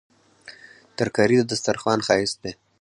ترکاري د سترخوان ښايست دی